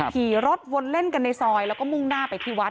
ขี่รถวนเล่นกันในซอยแล้วก็มุ่งหน้าไปที่วัด